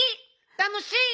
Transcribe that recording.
たのしい！